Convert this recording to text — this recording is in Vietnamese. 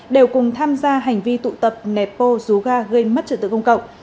đều cùng tham gia hành vi tụ tập nẹp bô rú ga gây mất trợ tự công cậu